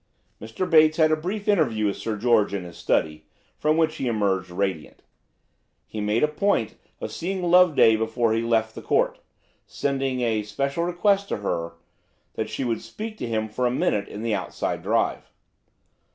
Mr. Bates had a brief interview with Sir George in his study, from which he emerged radiant. He made a point of seeing Loveday before he left the Court, sending a special request to her that she would speak to him for a minute in the outside drive.